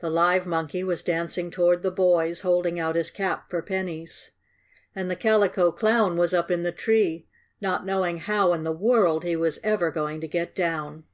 The live monkey was dancing toward the boys, holding out his cap for pennies. And the Calico Clown was up in the tree, not knowing how in the world he was ever going to get down.